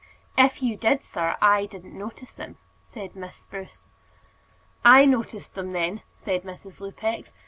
"If you did, sir, I didn't notice them," said Miss Spruce. "I noticed them, then," said Mrs. Lupex.